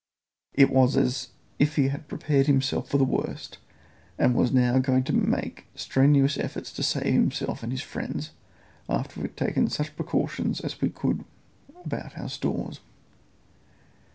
It was as if he had prepared himself for the worst, and was now going to make strenuous efforts to save himself and his friends, after we had taken such precautions as we could about our stores.